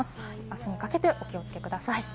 明日にかけてお気をつけください。